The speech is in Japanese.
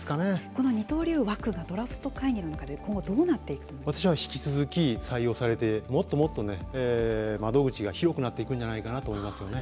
この二刀流枠がドラフト会議の中で私は引き続き採用されてもっともっと窓口が広くなっていくんじゃないかなと思いますね。